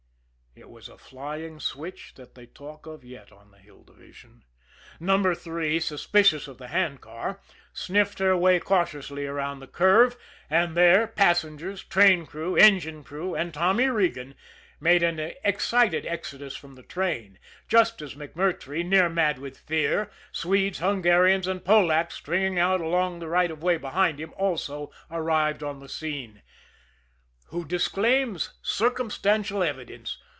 It was a flying switch that they talk of yet on the Hill Division. No. 3, suspicious of the handcar, sniffed her way cautiously around the curve, and there, passengers, train crew, engine crew and Tommy Regan, made an excited exodus from the train just as MacMurtrey, near mad with fear, Swedes, Hungarians and Polacks stringing out along the right of way behind him, also arrived on the scene. Who disclaims circumstantial evidence!